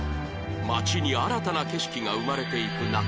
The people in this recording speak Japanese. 街に新たな景色が生まれていく中で